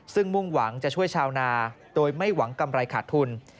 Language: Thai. ซึ่งมุ่งหวังจะช่วยชาวนาโดยไม่หวังกำไรขาดทุน